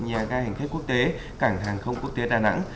nhà ga hành khách quốc tế cảng hàng không quốc tế đà nẵng